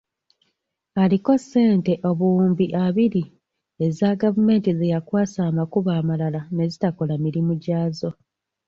Aliko ssente obuwumbi abiri eza gavumenti ze yakwasa amakubo amalala nezitakola mirimu gyazo.